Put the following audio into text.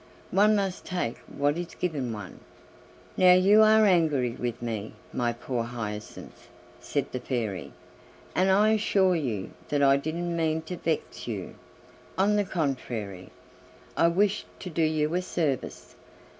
One must take what is given one." "Now you are angry with me, my poor Hyacinth," said the Fairy, "and I assure you that I didn't mean to vex you; on the contrary, I wished to do you a service.